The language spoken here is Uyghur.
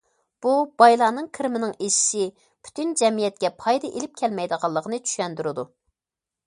بۇ بايلارنىڭ كىرىمىنىڭ ئېشىشى پۈتۈن جەمئىيەتكە پايدا ئېلىپ كەلمەيدىغانلىقىنى چۈشەندۈرىدۇ.